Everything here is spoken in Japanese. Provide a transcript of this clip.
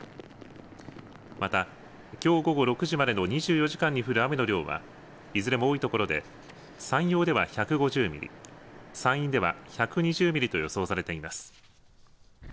またきょう午後６時までの２４時間に降る雨の量はいずれも多いところで、山陽では１５０ミリ、山陰では１２０ミリと予想されています。